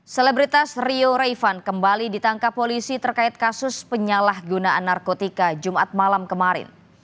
selebritas rio raivan kembali ditangkap polisi terkait kasus penyalahgunaan narkotika jumat malam kemarin